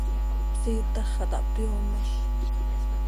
Ihpsiitax xah taa hpyoomoz.